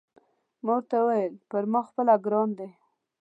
ما ورته وویل: پر ما خپله ګران دی.